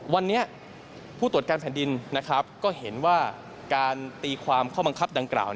วันนี้ผู้ตรวจการแผ่นดินก็เห็นว่าการตีความข้อบังคับดังกล่าว